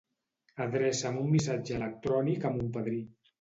Adreça'm un missatge electrònic a mon padrí.